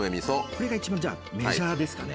これが一番メジャーですかね